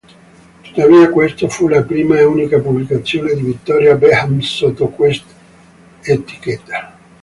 Tuttavia questo fu la prima e unica pubblicazione di Victoria Beckham sotto quest'etichetta.